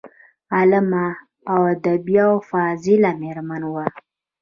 عالمه، ادیبه او فاضله میرمن وه.